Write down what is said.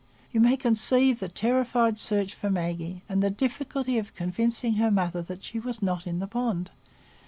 You may conceive the terrified search for Maggie, and the difficulty of convincing her mother that she was not in the pond.